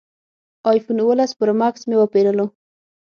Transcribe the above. ایفون اوولس پرو ماکس مې وپېرلو